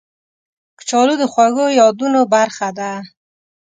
کچالو د خوږو یادونو برخه ده